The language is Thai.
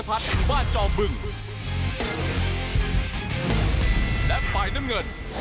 อายุ๒๔ปี